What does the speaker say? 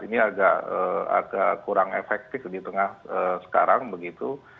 ini agak kurang efektif di tengah sekarang begitu